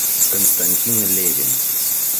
Константин Левин.